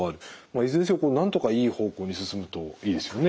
いずれにせよなんとかいい方向に進むといいですよね。